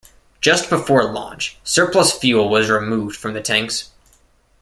Just before launch, surplus fuel was removed from the tanks.